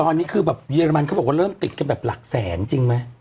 ตอนนี้คือแบบเยอรมันเขาบอกว่าเริ่มติดกันแบบหลักแสนจริงไหม